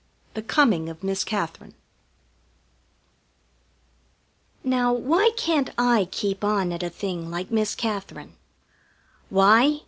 II THE COMING OF MISS KATHERINE Now, why can't I keep on at a thing like Miss Katherine? Why?